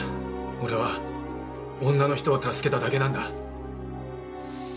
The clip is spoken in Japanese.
俺は女の人を助けただけなんだ。